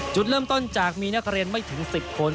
จุดเริ่มต้นจากมีนักเรียนไม่ถึง๑๐คน